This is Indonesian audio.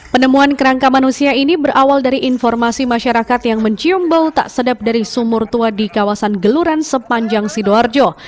penemuan kerangka manusia ini berawal dari informasi masyarakat yang mencium bau tak sedap dari sumur tua di kawasan geluran sepanjang sidoarjo